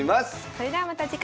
それではまた次回。